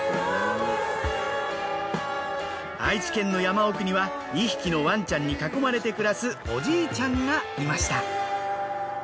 愛知県の山奥には２匹のワンちゃんに囲まれて暮らすおじいちゃんがいました。